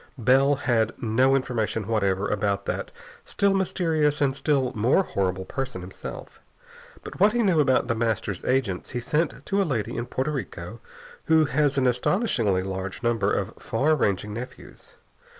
Bell had no information whatever about that still mysterious and still more horrible person himself. But what he knew about The Master's agents he sent to a lady in Porto Rico who has an astonishingly large number of far ranging nephews.